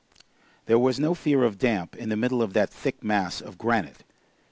There was no fear of damp in the middle of that thick mass of granite.